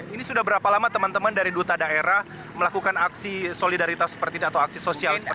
ini sudah berapa lama teman teman dari duta daerah melakukan aksi solidaritas seperti ini atau aksi sosial seperti ini